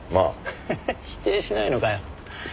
ハハハ否定しないのかよ。